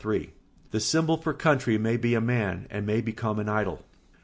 [Sidenote: The symbol for country may be a man and may become an idol.